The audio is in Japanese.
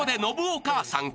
お母さん。